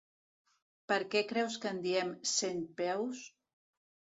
Per què creus que en diem centpeus?